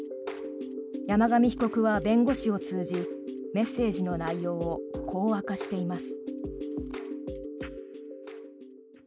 山上被告は弁護士を通じメッセージの内容をこう明かしています。